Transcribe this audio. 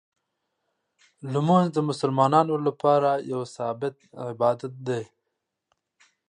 لمونځ د مسلمانانو لپاره یو ثابت عبادت دی.